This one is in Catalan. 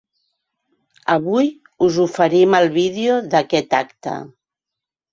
Avui us oferim el vídeo d’aquest acte.